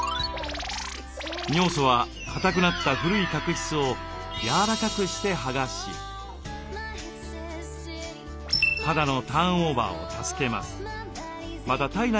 尿素はかたくなった古い角質をやわらかくして剥がし肌のターンオーバーを助けます。